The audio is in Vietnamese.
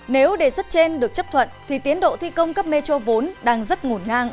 nếu đề xuất trên được chấp thuận thì tiến độ thi công cấp metro vốn đang rất ngổn ngang